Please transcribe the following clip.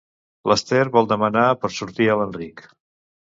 L'Ester vol demanar per sortir a l'Enric.